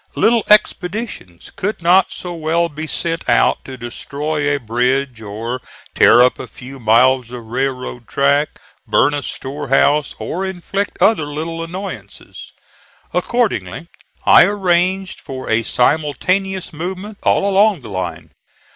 Little expeditions could not so well be sent out to destroy a bridge or tear up a few miles of railroad track, burn a storehouse, or inflict other little annoyances. Accordingly I arranged for a simultaneous movement all along the line.